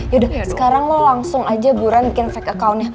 yaudah sekarang lo langsung aja buran bikin fake accountnya